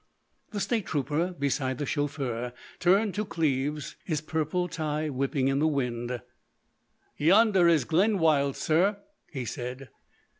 The State trooper beside the chauffeur turned to Cleves, his purple tie whipping in the wind. "Yonder is Glenwild, sir," he said.